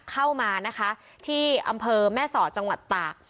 เข้ามานะคะที่อำเภอแม่สอดจังหวัดตาก